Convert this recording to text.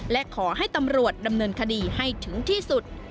และขอให้ตำรวจดำเนินคดีให้ถึงที่สุด